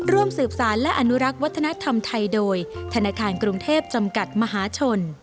ร่วมสืบสารและอนุรักษ์วัฒนธรรมไทยโดยธนาคารกรุงเทพจำกัดมหาชน